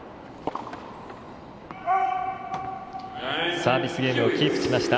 サービスゲームをキープしました。